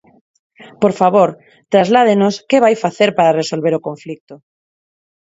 Por favor, trasládenos que vai facer para resolver o conflito.